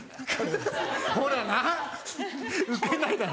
ほらなウケないだろ。